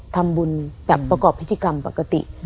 ทำบุญแบบประกอบพิธีกรรมปกติ